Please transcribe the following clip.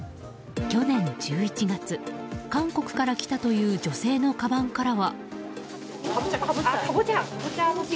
去年１１月、韓国から来たという女性のかばんからは。